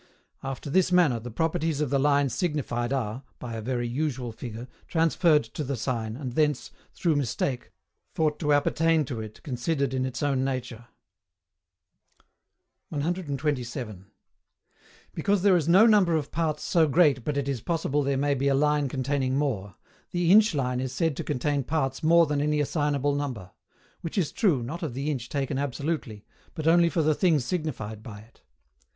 After this manner, the properties of the lines signified are (by a very usual figure) transferred to the sign, and thence, through mistake, though to appertain to it considered in its own nature. 127. Because there is no number of parts so great but it is possible there may be a line containing more, the inch line is said to contain parts more than any assignable number; which is true, not of the inch taken absolutely, but only for the things signified by it.